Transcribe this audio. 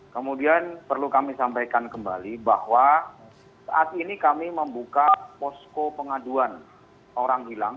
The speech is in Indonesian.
kemudian perlu kami sampaikan kembali bahwa saat ini kami membuka posko pengaduan orang hilang